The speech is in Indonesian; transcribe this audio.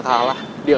gue bakal kalah deal